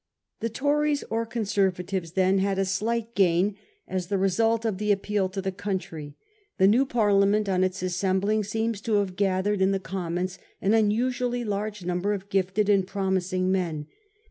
The Tories or Conservatives, then, had a slight gain as the result of the appeal to the country. The new Parliament on its assembling seems to have gathered in the Commons an unusually large number of gifted and promising men.